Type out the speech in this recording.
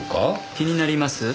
気になります？